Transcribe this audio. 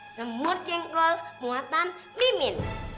semur kengkol muatan mimin